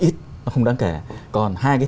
ít nó không đáng kể còn hai cái